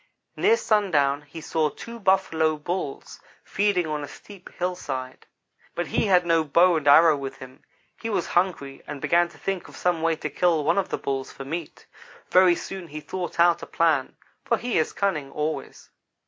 "Near sundown he saw two Buffalo Bulls feeding on a steep hillside; but he had no bow and arrow with him. He was hungry, and began to think of some way to kill one of the Bulls for meat. Very soon he thought out a plan, for he is cunning always.